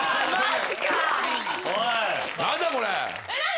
何だこれ！